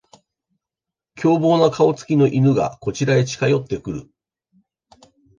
凶暴な顔つきの犬がこちらへ近寄ってくる